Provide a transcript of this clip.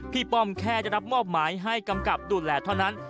ป้อมแค่ได้รับมอบหมายให้กำกับดูแลเท่านั้น